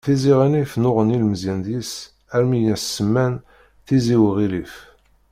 Tizi Ɣennif nnuɣnan yilmeẓyen deg-s armi i as-semman: Tizi Uɣilif.